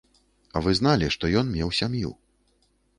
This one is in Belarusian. Вы зналі, што ён меў сям'ю.